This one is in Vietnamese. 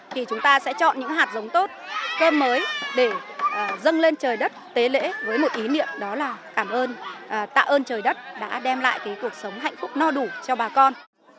thì chúng ta sẽ chọn những hạt giống tốt cơm mới để dâng lên trời đất tế lễ với một ý niệm đó là cảm ơn tạ ơn trời đất đã đem lại cuộc sống hạnh phúc no đủ cho bà con